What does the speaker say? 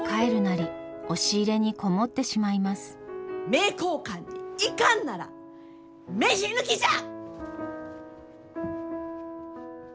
名教館に行かんなら飯抜きじゃ！